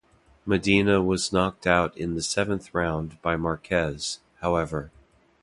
Medina was knocked out in the seventh round by Marquez, however.